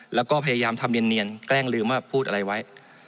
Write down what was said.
แล้วก็พยายามทำเนียนแกล้งลืมว่าพูดอะไรไว้